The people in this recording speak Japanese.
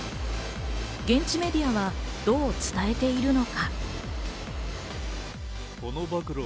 現地メディアはどう伝えているのか？